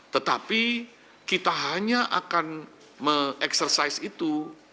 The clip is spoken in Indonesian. tetapi kita hanya akan mengeksersai itu